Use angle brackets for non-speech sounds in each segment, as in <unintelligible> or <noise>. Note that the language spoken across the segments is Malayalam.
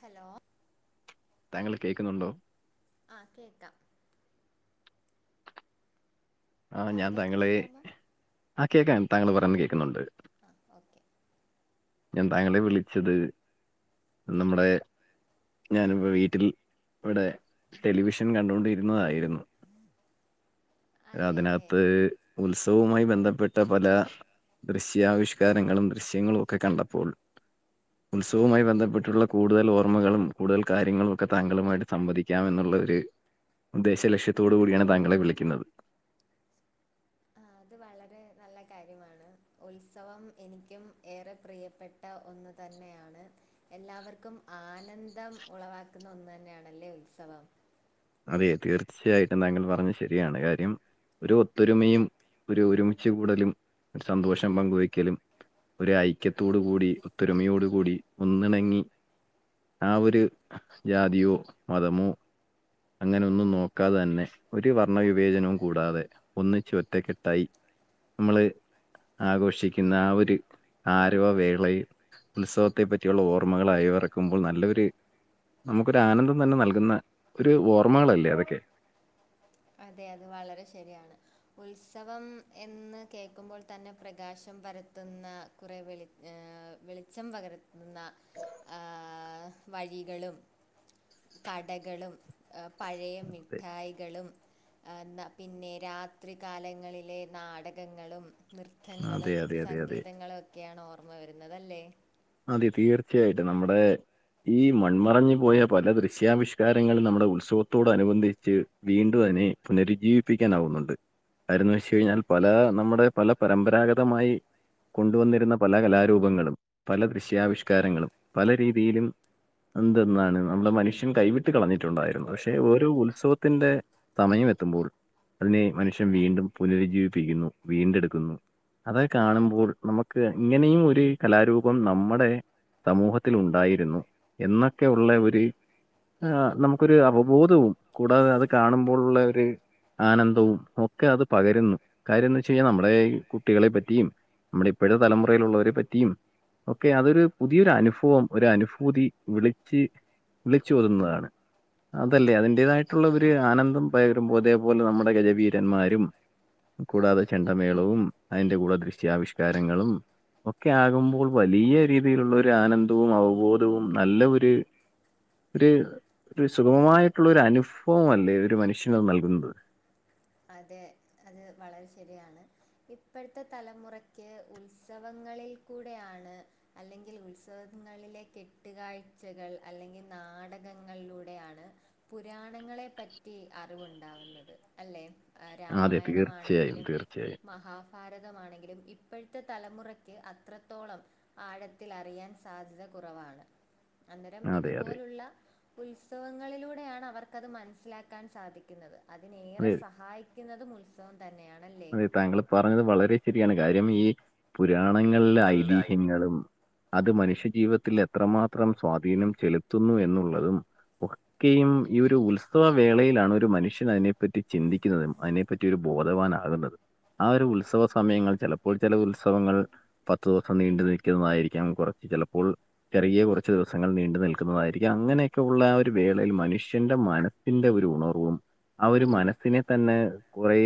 ഹലോ താങ്കൾ കേൾക്കുന്നുണ്ടോ? ആഹ് കേൾക്കാം. ആണ് ഞാൻ താങ്കൾക്ക് താങ്കളെ കേൾക്കാമോ ആഹ് കേക്കാം. താങ്കൾ പറയുന്നത് കേൾക്കുന്നുണ്ട്. ആഹ് ഓക്കെ. ഞാൻ താങ്കളെ വിളിച്ചത് നമ്മുടെ ഞാനിപ്പോ വീട്ടിൽ ഇവിടെ ടെലിവിഷൻ കണ്ടുകൊണ്ടിരുന്നതായിരുന്നു. അതെല്ലേ അതിനകത്ത് ഉത്സവുമായി ബന്ധപ്പെട്ട പല ദൃശ്യാവിഷ്കാരങ്ങളും ദൃശ്യങ്ങളും ഒക്കെ കണ്ടപ്പോൾ ഉത്സവുമായി ബന്ധപ്പെട്ടുള്ള കൂടുതൽ ഓർമ്മകളും കൂടുതൽ കാര്യങ്ങളും ഒക്കെ താങ്കളുമായിട്ട് സംവദിക്കാം എന്നുള്ള ഒരു ഉദ്ദേശലക്ഷ്യത്തോടു കൂടിയാണ് താങ്കളെ വിളിക്കുന്നത് ആഹ് അത് വളരെ നല്ല കാര്യമാണ് ഉത്സവം എനിക്കും ഏറെ പ്രിയപ്പെ ട്ട ഒന്ന് തന്നെയാണ് എല്ലാവർക്കും ആനന്ദം ഉളവാക്കുന്ന ഒന്ന് തന്നെയണല്ലേ ഉത്സവം അതെ തീർച്ചയായിട്ടും താങ്കൾ പറഞ്ഞ ശരിയാണ് കാര്യം ഒരു ഒത്തൊരുമയും ഒരു ഒരുമിച്ച് കൂടലും സന്തോഷം പങ്കുവയ്ക്കലും ഒരു ഐക്യത്തോടു കൂടി ഒത്തൊരുമയോടു കൂടി ഒന്നിണങ്ങി ആ ഒരു ജാതിയോ മതമോ അങ്ങന ഒന്നും നോക്കാതെ തന്നെ ഒരു വർണ്ണവിവേചനവും കൂടാതെ ഒന്നിച്ച് ഒറ്റക്കെട്ടായി നമ്മള് ആഘോഷിക്കുന്ന ആ ഒരു ആരവവേളയിൽ ഉത്സവത്തെ പറ്റിയുള്ള ഓർമ്മകൾഅ യിവിറക്കുമ്പോൾ നല്ലൊരു നമുക്കൊരു ആനന്ദം തന്നെ നൽകുന്ന ഒരു ഓർമ്മകളല്ലേ അതൊക്കെ അതെ അത് വളരെ ശരിയാണ് ഉത്സവം എന്ന് കേൾക്കുമ്പോൾ തന്നെ പ്രകാശം പരത്തുന്ന കുറെ വെളി വെളിച്ചം പകർത്തുന്ന വഴികളും കടകളും പഴയ അതെ മിഠായികളും ആഹ് ന്ന പിന്നെ രാത്രി കാലങ്ങളിലെ നാടകങ്ങളും അതെ നൃത്തങ്ങളും അതെ അതെ അതെ സംഗീതങ്ങളുംക്കെയാണ് ഓർമ്മ വരുന്നതല്ലേ അതെ തീർച്ചയായിട്ടും നമ്മുടെ ഈ മൺമറഞ്ഞു പോയ പല ദൃശ്യാവിഷ്കാരങ്ങളും നമ്മുടെ ഉത്സവത്തോട് അനുബന്ധിച്ച് വീണ്ടു അതിനെ പുനരുജ്ജീവിപ്പിക്കാനാവുന്നുണ്ട് കാര്യന്ന് വെച്ച് കഴിഞ്ഞാൽ പല നമ്മുടെ പല പരമ്പരാഗതമായി കൊണ്ടുവന്നിരുന്ന പല കലാരൂപങ്ങളും പല ദൃശ്യാവിഷ്കാരങ്ങളും പല രീതിയിലും എന്തെന്നാണ് നമ്മുടെ മനുഷ്യൻ കൈവിട്ട് കളഞ്ഞിട്ടുണ്ടായിരുന്നു പക്ഷെ പറഞ്ഞിട്ടുണ്ടായിരുന്നു ഓരോ ഉത്സവത്തിന്റെ സമയം എത്തുമ്പോൾ അതിനെ മനുഷ്യൻ വീണ്ടും പുനരുജ്ജീവിപ്പിക്കുന്നു വീണ്ടെടുക്കുന്നു അത് കാണുമ്പോൾ നമുക്ക് ഇങ്ങനെയും ഒരു കലാരൂപം പ്പം നമ്മുടെ സമൂഹത്തിൽ ഉണ്ടായിരുന്നു എന്നൊക്കെ ഉള്ള ഒരു ആ നമുക്കൊരു അവബോധവും കൂടാതെ അത് കാണുമ്പോളുള്ള ഒരു ആനന്ദവും ഒക്കെ അത് പകരുന്നു കാര്യംന്ന് വെച്ചാൽ കഴിഞ്ഞാൽ നമ്മടെ ഈ കുട്ടികളെ പറ്റിയും നമ്മള ഇപ്പോഴത്തെ തലമുറയിലുള്ളള്ളവരെ പറ്റി യും ഒക്കെ അതൊരു പുതിയൊരു അനുഭവം ഒരു അനുഭൂതി വിളിച്ച് വിളിച്ചോതുന്നതാണ് അതല്ലേ അതിന്റേതായിട്ടുള്ള ഒരു ആനന്ദം പകരുമ്പോ അതേപോലെ നമ്മുടെ ഗജവീരന്മാരും കൂടാതെ ചെണ്ടമേളവും അതിന്റെ കൂടെ ദൃശ്യാവിഷ്കാരങ്ങളും ഒക്കെ ആകുമ്പോൾ വലിയ രീതിയിലുള്ള ഒരു ആനന്ദവും അവബോധവും നല്ല ഒരു ഒരു സുഗമമായിട്ടുള്ള ഒരു അനുഭവം അല്ലേ ഒരു മനുഷ്യന് നൽകുന്നത് അതെ അത് വളരെ ശരിയാണ് ഇപ്പോഴത്തെ തലമുറയ്ക്ക് ഉത്സവങ്ങളിൽ കൂടെയാണ് അല്ലെങ്കിൽ ഉത്സവങ്ങളിലെ കെട്ടുകാഴ്ചകൾ അല്ലെങ്കിൽ നാടകങ്ങളിലൂടെയാണ് പുരാണങ്ങളെ പറ്റി അറിവുണ്ടാവുന്നത് അല്ലെ അതെ തീർച്ചയായും രാമായണമാണെങ്കിലും തീർച്ചയായും. മഹാ ഭാരതമാണെങ്കിലും ഇപ്പോഴത്തെ തലമുറയ്ക്ക് അത്രത്തോളം ആഴത്തിൽ അറിയാൻ സാധ്യത കുറവാണ് അന്നേരം അതെ അതെ. ഇതുപോലുള്ള ഉത്സവങ്ങളിലൂടെയാണ് അവർക്കത് മനസ്സിലാക്കാൻ സാധിക്കുന്നത് അതിനെ അതെ സഹായിക്കുന്നതും ഉത്സവം തന്നെയണല്ലേ അതെ താങ്കൾ പറഞ്ഞത് വളരെ ശരിയാണ് കാര്യം ഈ പുരാണങ്ങളിലെ എല്ലായിരിക്കും ഐതിഹ്യങ്ങളും അത് മനുഷ്യജീവിതത്തിൽ എത്രമാത്രം സ്വാധീനം ചെലുത്തുന്നു എന്നുള്ളതും ഒക്കെയും ഈ ഒരു ഉത്സവ വേളയിലാണ് ഒരു മനുഷ്യനതിനെപ്പറ്റി ചിന്തിക്കുന്നതും അതിനെപ്പറ്റി ഒരു ബോധവാനാണ് അകണ്ടത് ആ ഒരു ഉത്സവ സമയങ്ങൾ ചിലപ്പോൾ ചില ഉത്സവങ്ങൾ പത്ത് ദിവസം നീണ്ടു നിൽക്കുന്നതായിരിക്കാം അങ്ങ് കുറച്ച് ചിലപ്പോൾ ചെറിയ കുറച്ച്ു ദിവസങ്ങൾ നീണ്ടു നിൽക്കുന്നതായിരിക്കും അങ്ങനെയൊക്കെ ഉള്ള ആ ഒരു വേളയിൽ മനുഷ്യന്റെ മനസ് ത്തിന്റെ ഒരു ഉണർവും അവ ഒരു മനസ്സിനെ തന്നെ കുറേ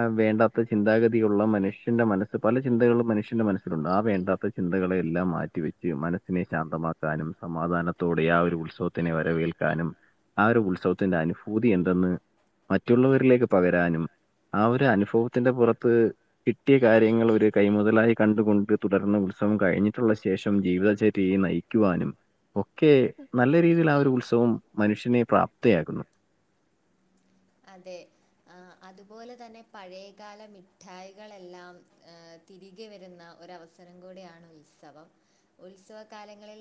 ആവേണ്ടാത്ത ചിന്താഗതിയുള്ള മനുഷ്യന്റെ മനസ് പല ചിന്തകളും മനുഷ്യന്റെ മനസുണ്ട് ആ വേണ്ടത്ത ചിന്തകളെല്ലാം മാറ്റിവ വെച്ച് മനസ്സിനെ ശാന്തമാക്ക ാനും സമാധാനത്തോടെ ആ ഒരു ഉത്സവത്തിനെ വരവേൽക്കാനും ആ ഒരു ഉത്സവത്തിന്റെ അനുഭൂതി എന്തെന്ന് മറ്റുള്ളവരിലേക്ക് പകരാനും ആ ഒരു അനുഭവത്തിന്റെ പുറത്ത് കിട്ടിയ കാര്യങ്ങൾ ഒരു കൈമുതലായി കണ്ടുകൊണ്ട് തുടർന്ന് ഉത്സവം കഴിഞ്ഞിട്ടുള്ള ശേഷം ജീവിതചര്യ നയിക്കും ക്കുവാനും ഒക്കെ നല്ല രീതിയിൽ ആ ഒരു ഉത്സവം മനുഷ്യനെ പ്രാപ്തയാകുന്നു അതെ അതുപോലെ തന്നെ പഴയകാല മിഠായികളെല്ലാം തിരികെ വരുന്ന ഒരവസരം കൂടെയാണ് ഉത്സവം ഉത്സവ കാലങ്ങളിൽ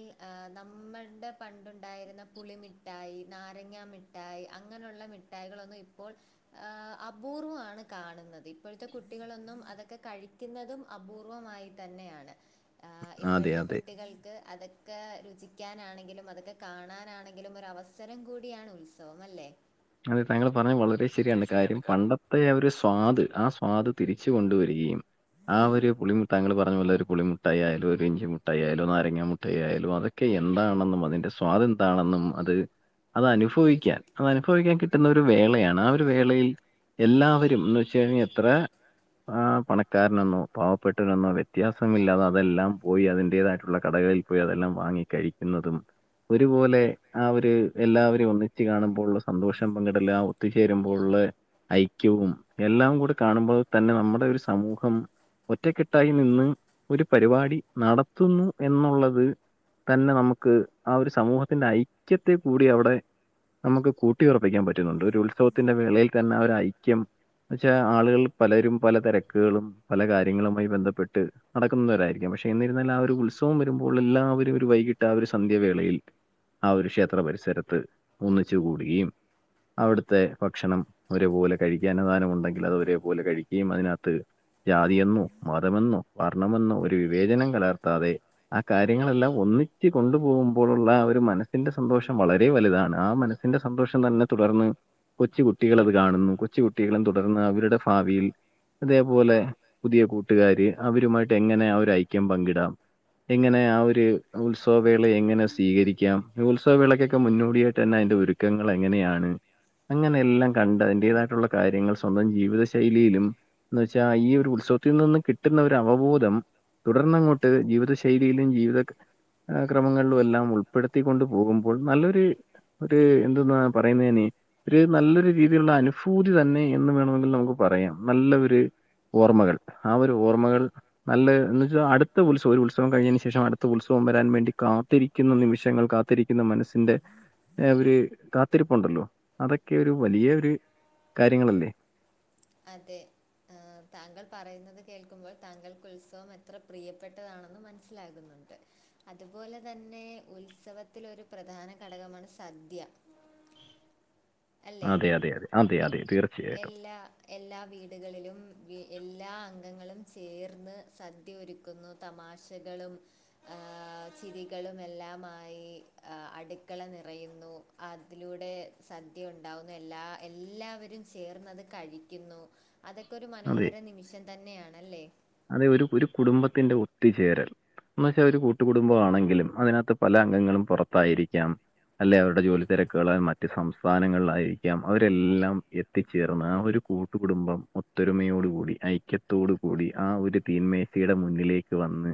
നമ്മളുടെ പണ്ടുണ്ടായിരുന്ന പുളിമി മിഠായി നാരങ്ങ മിഠായി അങ്ങനെയുള്ള മിഠായികളൊന്നും ഇപ്പോൾ അപൂർവമാണ് കാണുന്നത് ഇപ്പോഴത്തെ കുട്ടികളൊന്നും അതൊക്കെ കഴ ക്കുന്നതും അപൂർവമായി തന്നെയാണ് അതെ ഇപ്പോഴത്തെ അതെ. കുട്ടികൾക്ക് അത ക്കെ രുചിക്കാനാണെങ്കിലും അതൊക്കെ കാണാനാണെങ്കിലും ഒരു അവസരം കൂടിയാണ് ഉത്സവം അല്ലേ അതെ താങ്കൾ പറഞ്ഞാൽ വളരെ ശരിയാണ് കാര്യം പണ്ടത്തെ ഇ ഒരു സ്വാദ് ആ സ്വാദ് തിരിച്ച കൊണ്ടുവരികയും ആ ഒരു പുളിമട്ട താങ്ങ പറഞ്ഞ പോലെ ഒരു പുളിമുട്ടായി ആയാലും ഒരു ഇഞ്ചി മുട്ടായി ആയാലും നാരങ്ങാ മുട്ടായി ആയാലും അതൊെ ഒക്കെ എന്താണെന്നും അതിന്റെ സ്വാദം എന്താണെന്നും അത് അത് അനുഭവിക്കാൻ അത് അനുഭവിക്കാൻ കിട്ടുന്ന ഒരു വേളയാണ് ആഹ് ഒരു വേളയിൽ എല്ലാം രന്ന് വെച്ച കഴിഞ്ഞാൽ എത്ര പണക്കാരനന്നോ പാവ പെട്ടവനേന്നോ വ്യത്യാസം ഇില്ലാതെ അതെല്ലാം പോയി അതിന്റേതായിട്ടുള്ള കടകളിൽ പോയി അതെല്ലാം വാങ്ങി കഴിക്കുന്നതും ഒരുപോലെ ആഹ് ഒരു എല്ലാവരെയും ഒന്നിച്ച് കാണുമ്പോൾ ഉള്ള സന്തോഷം പങ്കിടല്ല ഒത്തുചേരുമ്പോൾ ഐക്യവും എല്ലാം കൂടി കാണുമ്പോൾ തന്നെ നമ്മുടെ ഒരു സമൂഹം ഒറ്റക്കെട്ടായി നിന്ന് ഒരു പരിപാടി നടത്തുന്നു എന്നുള്ളത് തന്നെ നമുക്ക് ആഹ് ഒരു സമൂഹത്തിന്റെ ഐക്യത്തെ കൂടി അവിടെ നമുക്ക് കൂട്ട കുട്ടിയുറപ്പിക്കാൻ പറ്റുന്നുണ്ട് ഒരു ഉത്സവത്തിന്റെ വേളയിൽ തന്നെ ഒരു ഐക്യം എന്നെച്ചാ ആളുകൾ പലരും പല തിരക്കുകളും പല കാര്യങ്ങളുമായി ബന്ധപ്പെട്ട് നടക്കുന്നവരായിരിക്കും പക്ഷെ എന്നിരുന്നാൽ ആഹ് ഒരു ഉത്സവം വരുമ്പോൾ എല്ലാവരും ഒരു വൈകിട്ട് ആഹ് ഒരു സന്ധ്യവേളയിൽ ആഹ് ഒരു ക്ഷേത്ര പരിസരത്ത് ഒന്നിച്ച കൂടുകയും അവിടുത്തെ ഭക്ഷണം ഒരേപോലെ കഴിക്കാ അന്നദാനം ഉണ്ടെങ്കിൽ അത് ഒരേപോലെ കഴിക്കുകയും അതിനകത്ത് ജാതിയെന്നോ മതമെന്നോ വർണ്ണമെന്നോ ഒരു വിവേചനം കലർത്താതെ ആഹ് കാര്യങ്ങളെല്ലാം ഒന്നിച്ച് കൊണ്ടപോകുമ്പോഴുള്ള ആഹ് ഒരു മനസ്സിന്റെ സന്തോഷം വളരെ വലുതാണ് ആഹ് മന ന്റെ സന്തഷം തന്നെ തുടർന്ന് കൊച്ചുട്ടികൾ അത് കാണുന്നു കൊച്ച കുട്ടികളും തുടർന്ന് അവരുടെ ഭാവിയിൽ അതേപോലെ പുതിയ കൂട്ടുകാര് അവരുമായിട്ട് എങ്ങനെ ആഹ് ഒരു ഐക്യം പങ്കിടാം എങ്ങനെ ആഹ് ഒരു ഉത്സവ വേള എങ്ങനെ സ്വീകരിക്കാം ഉത്സവ വേളക്കൊക്കെ മുന്നോടിയായിട്ട് തന്നെ അതിന്റെ ഒരുക്കങ്ങൾ എങ്ങനെയാണ് അങ്ങനെ എല്ലാം കണ്ട് അതിന്റേതായിട്ടുള്ള കാര്യങ്ങൾ സ്വന്തം ജീവിത ശൈലിയിലും എന്ന വെച്ചാ ഈ ഒരു ഉത്സവത്തിൽ നിന്ന് കിട്ടുന്ന ഒരു അവബോധം തുടർന്നങ്ങോട്ട് ജീവിത ശൈലിയിലും ജീവിത ക്രമങ്ങളിലും എല്ലാം ഉൾപ്പെടുത്തി കോണ്ട് പോകുമ്പോൾ നല്ലൊരു ഒരു എന്തെന്ന പറയുന്നേ അയ്ന് ഒരു നല്ലൊരു രീതിയിലുള്ള അനുഭൂതി തന്നെ എന്ന് വേണമെങ്കിൽ നമുക്ക് പറയാം നല്ല ഒരു ഓർമ്മകൾ ആഹ് ഒരു ഓർമ്മകൾ നല്ല എന്ന് വെച്ചാൽ അടുത്ത ഉത്സവം ഒരു ഉത്സവം കഴിഞ്ഞതിന് ശേഷം അടുത്ത ഉത്സവം വരാൻ വേണ്ടി കാത്തിരിക്കുന്ന നിമിഷങ്ങൾ കാത്തിരിക്കുന്ന മനസ്സിന്റെ ഒരു- കാത്തിരിപ്പുണ്ടല്ലോ അതൊക്കെ ഒരു വലിയോരു അതെ ആഹ് താങ്കൾ പറയുന്നത് കേൾക്കുമ്പോൾ താങ്കൾക്ക് ഉത്സവം എത്ര പ്രിയപ്പെട്ടതാണെന്ന് മ മനസ്സിലാകുന്നുണ്ട് അതുപോലെ തന്നെ ഉത്സവത്തിലൊരു പ്രധാന ഘടകമാണ് സദ്യ അല്ലേ അതെ അതെ അതെ അതെ അതെ തീർച്ചയായിട്ടും എല്ലാ എല്ലാ വീടുകളിലും എല്ലാ അംഗങ്ങളും ചേർന്ന് സദ്യ ഒരുക്കുന്നു. തമാശകളും ഏഹ് ചിരികളും എല്ലാമായി അടുക്കള നിറയുന്നു അതിലൂടെ സ- യ ഉണ്ടാവുന്നു എല്ലാ എല്ലാവരും ചേർന്ന് അത് കഴിക്കുന്നു. അതൊക്കെ ഒരു അതെ. മനോഹര നിമിഷം തന്നെയാണല്ലേ അതെ ഒരു ഒരു കുടുംബത്തിന്റെ ഒത്തുചേരൽ എന്ന വച്ചാ അത് ഒരു കൂട്ട് കുടുംബം ആണെങ്കിലും അതിനകത്ത് പല അംഗങ്ങളും പുറത്തായിരിക്കാം അല്ലെ അവരുടെ ജോലി തിരക്കുകൾ മറ്റ് സംസ്ഥ- സ്ഥാനങ്ങളാലായിരിക്കാം അവരെല്ലാം എത്തിച്ചേർന്ന് ആഹ് ഒരു കൂട്ടുകുടുംബം ഒത്തൊരുമയോടു കൂടി ഐക്യത്തോടു കൂടി ആഹ് ഒരു തീന്മേശിയയുടെ മുന്നിലേക്ക് വന്ന്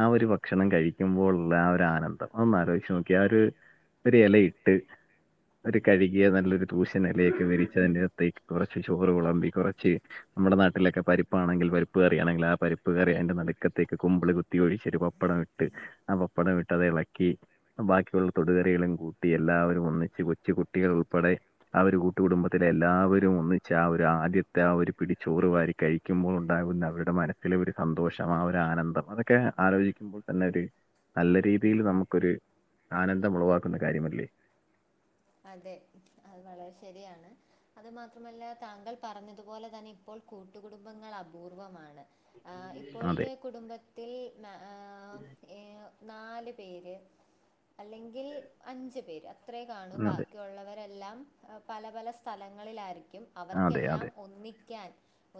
ആഹ് ഒരു ഭക്ഷണം കഴിക്കുമ്പോഴുള്ള ആഹ് ഒരു ആനന്ദം ഒന്ന് അലോചിച്ചു നോക്കിയെ ആഹ് ഒരു ഒരു ഇല ഇട്ട് ഒരു കഴുകിയ നല്ലൊരു തുശൻ ഇലയൊക്കെ വിരിച്ചു അതിനകത്തേക്ക് കുറച്ച് ചോറ് വിളമ്പി കുറച്ച്- നമ്മുടെ നാട്ടിലൊക്കെ പരിപ്പാണെങ്കിൽ പരിപ്പ് പരിപ്പ് കറി ആണെങ്കിൽ ആ പരിപ്പ് കറി അതിന്റെ നടുക്കത്തേക്ക് കുമ്പൾ കുത്തി ഒഴിച്ചു ഒരു പപ്പടം ഇട്ട് ആ പപ്പടം ഇട്ടതെ ഇളക്കി ബാക്കിയുള്ള തൊടുകറികളും കൂട്ടി എല്ലാവരും ഒന്നിച്ച് കൊച്ചു കുട്ടികൾ ഉൾപ്പെടെ ആ ഒരു കൂട്ട് കുുടുംബത്തിലെ എല്ലാവരും ഒന്നിച്ച് ആ ഒരു ആദ്യത്തെ ആ ഒരു പിടി ചോറ് വാരി കഴിക്കുമ്പോൾ ഉണ്ടാകുന്ന അവരുടെ മനസ്സിലെ ഒരു സന്തോഷം ആ ഒരു ആനന്ദം അതൊക്കെ ആലോചിക്കുമ്പോൾ തന്നെ ഒരു നല്ല രീതിയിൽ നമുക്കൊരു ആനന്ദം ഉളവാക്കുന്ന കാര്യമല്ലേ അതെ അത് വളരെ ശരിയാണ് അത് മാത്രമല്ല താങ്കൾ പറഞ്ഞതുപോലെ തന്നെ ഇപ്പോൾ കൂട്ടുകുടുംബങ്ങൾ അപൂർവമാണ് ആഹ അതെ ഇപ്പോഴത്തെ കുടുംബ ൽ ഏഹ് നാല് പേര് അല്ലെങ്കിൽ അഞ്ചു പേര് അത്രേ കാണൂ അതെ ബാക്കിയുള്ളവരെല്ലാം പല പല സ്ഥലങ്ങളിലായിരിക്കും അതെ അവർക്കെല്ലാം അതെ ഒന്നിക്കാൻ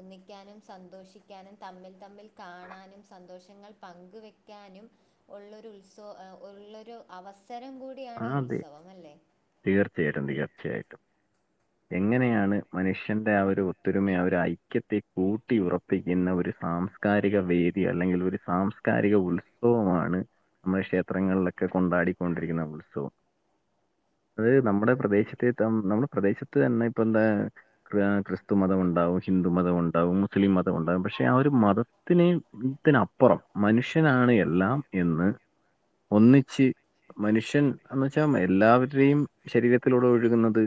ഒന്നിക്കാനും സന്തോഷിക്കാനും തമ്മിൽ തമ്മിൽ കാണാനും സന്തോഷങ്ങൾ പങ്കുവെക്കാനും ഉള്ളൊരു ഉത്സവ ഉള്ളൊരു അവസരം കൂടിയാണ് ഈ അതെ ഉത്സവം അല്ലേ തീർച്ചയായിട്ടും തീർച്ചയായിട്ടും എങ്ങനെയാണ് മനുഷ്യന്റെ ആ ഒരു ഒത്തൊരുമയ ആ ഒരു ഐക്യത്തെ കൂട്ടി ഉറപ്പിക്കുന്ന ഒരു സാം സംസ്കാരിക വേദി അല്ലെങ്കിൽ ഒരു സാംസ്കാരിക ഉത്സവമാണ് നമ്മുടെ ക്ഷേത്രങ്ങളിലൊക്കെ കൊണ്ടാടിക്കൊണ്ടിരിക്കുന്ന ഉത്സവം അത് നമ്മുടെ പ്രദേശത്തെ നമ്മുടെ പ്രദേശത്ത് തന്നെ ഇപ്പൊ എന്താ ക്രിസ്തു മതം ഉണ്ടാവും ഹിന്ദു മതമുണ്ടാവും മുസ്ലിം മതമുണ്ടാവും പക്ഷെ ആ ഒരു മതം മതത്തിന്പ്പുറം മനുഷ്യനാണ് എല്ലാം എന്ന് ഒന്നിച്ച് മനുഷ്യൻ എന്ന് വെച്ചാ എല്ലാവരുടെയും ശരീരത്തിലൂടെ ഒഴുകുന്നത്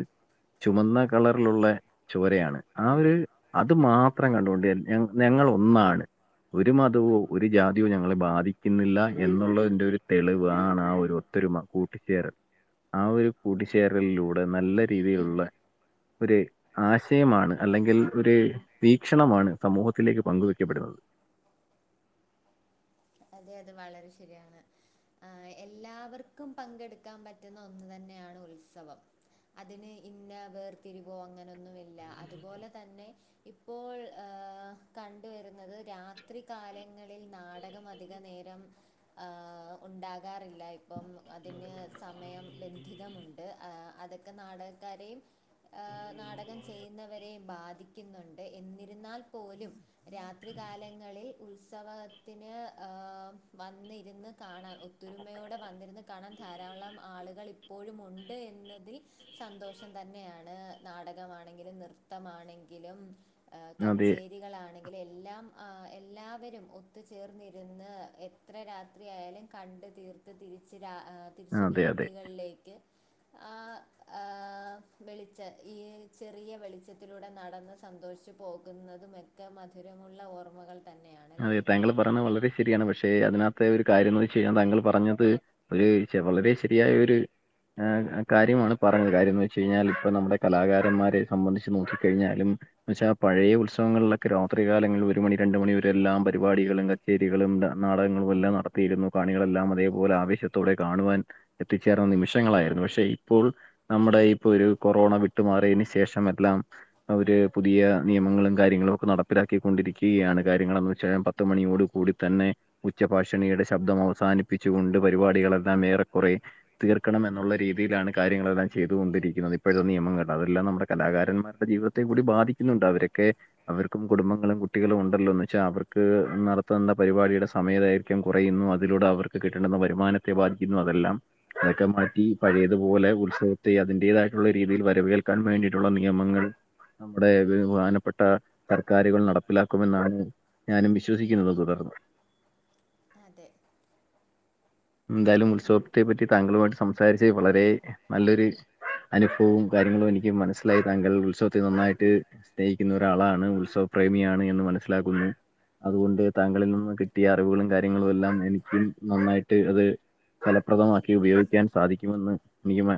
ചുവന്ന കളറിലുള്ള ചോരയാണ് ആ ഒരു അത് മാത്രം കണ്ടുകൊണ്ട് ഞ ഞങ്ങൾ ഒന്നാണ് ഒരു മതവോ ഒരു ജാതിയോ ഞങ്ങളെ ബാധിക്കുന്നില്ല എന്നുള്ളതിന്റെറെ ഒരു തെളിവാണ് ആ ഒരു ഒത്തൊരുമ കൂട്ടിച്ചേരൽ ആ ഒരു കൂട്ടിച്ചേരലിലൂടെ നല്ല രീതിയിലുള്ള ഒര് ആശയമാണ് അല്ലെങ്കിൽ ഒര് വീക്ഷണമാണ് സമൂഹത്തിലേക്ക് പങ്കുവയ്ക്കപ്പെടുന്നത് അതെ അതെ വളരെ ശരിയാണ് ആഹ് എല്ലാവർക്കും പങ്കെട്ക്കാ പറ്റ്ന്ന ഒന്ന് തന്നെയാണ് ഉത്സവം അതിന് ഇന്ന വേർതിരിവോ അങ്ങനൊന്നുല്ല അത്പോല തന്നെ ഇപ്പോൾ ഏഹ് കണ്ടുവരുന്നത് രാത്രി കാലങ്ങളിൽ നാടകം അ ധിക നേരം ആഹ് ഉണ്ടാകാറില്ല ഇപ്പം അതിന്ന് സമയം ബന്ധിതമുണ്ട് ആഹ് അതൊ ക നാടകക്കാരേം ആഹ് നാടകം ചെയ്യ്ന്നവരേം ബാധിക്കുന്നുണ്ട് എന്നിരുന്നാൽ പോലും രാത്രി കാലങ്ങളിൽ ഉത്സവത്തിന് ഏഹ് വന്നിരിന്ന് കാണാൻ ഒത്തൊരുമയോടെ വന്നിരുന്ന് കാണാൻ ധാരാളം ആളുകൾ ഇ ഇപ്പോഴും ഉണ്ട് എന്നതിൽ സന്തോഷം തന്നെയാണ് നാടകമാണെങ്കിലും നൃത്തമാണെങ്കിലും ഏഹ് അതെ. കച്ചേരികളാണെങ്കില് എല്ലാം ആഹ് എല്ലാവരും ഒത്ത് ചേർന്നി ര്ന്ന് എത്ര രാത്രിയായാലും കണ്ട് തീർത്ത് തിരിച്ച് രാ ഏഹ് തിരിച്ച് അതെ അതെ. വീട്കൾലേക്ക് ആഹ് ആഹ് വെളിച്ച ഈ ചെറിയ വെളിച്ചത്തിലൂടെ നടന്ന് സന്തോഷ്ചു പോകുന്നതും ഒക്കെ മധുരമുള്ള ഓർമ്മകൾ തന്നെയാണ് അതെ താങ്കൾ പറഞ്ഞത് വളരെ ശരിയാണ് പക്ഷേ അതിനകത്തെ ഒരു കാര്യങ്ങൾ ചെയ്യാൻ താങ്കൾ പറഞ്ഞത് ഒര് വളരെ ശെരിയായ ഒര് കാര്യമാണ് പറഞ്ഞത് കാര്യമെന്ന് വെച്ചഴിഞ്ഞാൽ ഇപ്പ നമ്മുടെ കലാകാരന്മാരെ സംബന്ധിച്ച് നോക്കിക്കഴിഞ്ഞാലും എന്ന വച്ച പഴയെ ഉത്സവങ്ങൾലെക്കെ രാത്രികാലങ്ങളിൽ ഒരു മണി രണ്ട് മണി എല്ലാം പരിപാടികളും കച്ചേരികളും നാടകങ്ങളും എല്ലാം നടത്തിയിരുന്നു കാണികളെല്ലാം അതേപോലെ ആവേശത്തി ത്തോടെ കാണുവാൻ എത്തിച്ചേർന്ന നിമിഷങ്ങളായിരുന്നു. പഷെ ഇപ്പോൾ നമ്മടെ ഇപ്പൊരു കൊറോണ വിട്ട് മാറിയേന് ശേഷം എല്ലാം, അവര് പുതിയ നിയമങ്ങളും കാര്യങ്ങളും ഒക്കെ നടപ്പിലാക്കി ക്കൊണ്ടിരിക്ക്യയാണ്. കാര്യങ്ങളെന്ന് വെച്ച ഞാ പത്ത് മണിയോടു കൂടി തന്നെ, ഉച്ചഭാഷണിയുടെ ശബ്ദം അവസാനിപ്പിച്ച് കൊണ്ട് പരിപാടികളെല്ലാം ഏറെക്കൊറേ, തീർക്കണം എന്നുള്ള രീതിയിലാണ് കാര്യങ്ങളെല്ലാം ചെയ്തുകൊണ്ടിരിക്ക്ന്നത്. ഇപ്പഴതെ നിയമം കണ്ടൊ അതെല്ലാം നമ്മടെ കലാകാരന്മാരുടെ ജീവിതത്തെ ത്തു കൂടി ബാധിക്കുന്ന്ണ്ട് അവരൊക്കെ. അവർക്കും കുടുംബങ്ങളും കുട്ടികളും ഉണ്ട് ന്ന് വച്ച അവർക്ക് നടത്തണ്ട പരിപാടിയുടെ സമയദൈർഘ്യം കുറയുന്നു. അതിലൂടെ അവർക്ക് കിട്ടണ്ടന്ന വര്മാന ത്തെ ബാധിക്കുന്നു അതെല്ലാം. അതൊക്കെ മാറ്റി പഴയതുപോലെ ഉത്സവത്തെ അതിന്റേതായിട്ടുള്ള രീതിയിൽ വരവേൽക്കാൻ വേണ്ടീട്ടുള്ള നിയമങ്ങള് നമ്മ്ടെ ബെഹുമാനപ്പെട്ട സർക്കാരുകൾ നടപ്പിലാ ക്കുമെന്നാണ് ഞാനും വിശ്വസിക്ക്ന്നത് തുടർന്ന്. അതെ. <inaudible> എന്തായാലും ഉത്സവത്തെ പറ്റി താങ്കളുമായിട്ട് സംസാരിച്ച വളരെ നല്ലൊര് അനുഭവും കാര്യങ്ങളും എനിക്ക് മനസ്സിലായി. താങ്കൾ ഉത്സവത്തെ നന്നായിട്ട് സ്നേഹിക്കുന്ന ഒരാളാണ്, ഉത്സവപ്രേമിയാണ് എന്ന് മനസ്സിലാക്കുന്നു. അതുകൊണ്ട് താങ്കളിൽ നിന്ന് കിട്ടിയ അറിവുകളും കാര്യങ്ങളും എല്ലാം എനിക്കും നന്നായിട്ട് അത് ഫലപ്രദമാക്കി ഉപയോഗിക്കാൻ സാധിക്കുമെന്ന് <unintelligible>